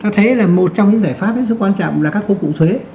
ta thấy là một trong những giải pháp rất quan trọng là các công cụ thuế